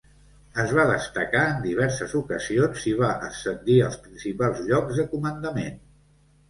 Es va destacar en diverses ocasions i va ascendir als principals llocs de comandament.